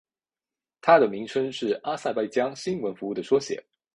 它的名称是阿塞拜疆新闻服务的缩写。